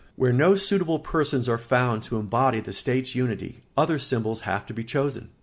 ] Where no suitable persons are found to embody the state's unity, other symbols have to be chosen.